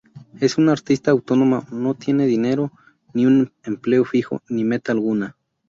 Es un artista autónomo, no tiene dinero, ni un empleo fijo, ni meta alguna.